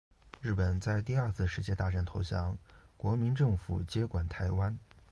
日本在第二次世界大战投降，国民政府接管台湾。